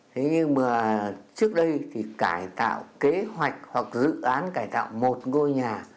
thế nhưng mà trước đây thì cải tạo kế hoạch hoặc dự án cải tạo một ngôi nhà